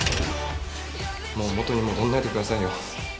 もう元に戻んないでくださいよ